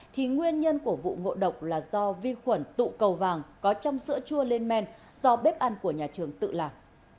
thì nguyên nhân của vụ ngộ độc là do vi khuẩn tụ cầu vàng có trong sữa chua lên men do bếp ăn của nhà trường tự làm